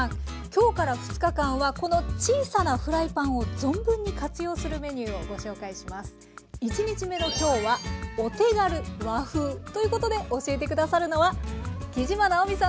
今日から２日間はこの小さなフライパンを存分に活用するメニューをご紹介します。ということで教えて下さるのは杵島直美さんです。